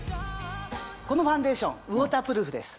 このファンデーションウォータープルーフです。